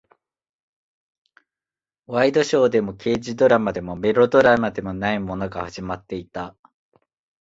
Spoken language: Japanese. ワイドショーでも、刑事ドラマでも、メロドラマでもないものが始まっていた。